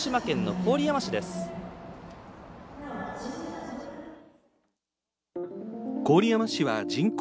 郡山市は人口